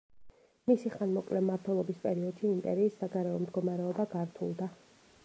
მისი ხანმოკლე მმართველობის პერიოდში იმპერიის საგარეო მდგომარეობა გართულდა.